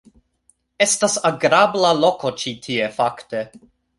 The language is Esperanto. - Estas agrabla loko ĉi tie, fakte.